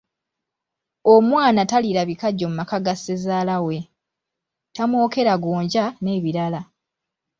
Omwana taliira bikajjo mu maka ga ssezaala we, tamwokera gonja n’ebirala.